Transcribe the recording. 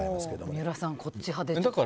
三浦さん、こっち派ですか？